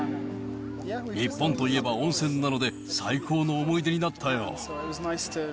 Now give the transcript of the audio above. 日本といえば温泉なので、最高の思い出になったよ。